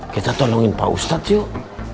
kita tolongin pak ustadz yuk